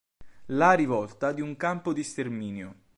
La rivolta di un campo di sterminio".